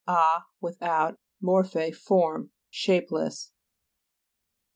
a, without, ntorphe, form. Shapeless.